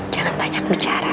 jangan banyak bicara